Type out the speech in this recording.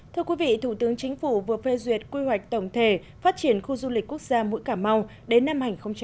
thưa quý vị thủ tướng chính phủ vừa phê duyệt quy hoạch tổng thể phát triển khu du lịch quốc gia mũi cà mau đến năm hai nghìn ba mươi